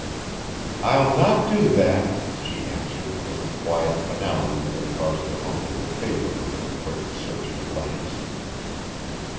"I'll not do that," she answered with a quiet finality that caused her uncle to favour her with a quick, searching glance.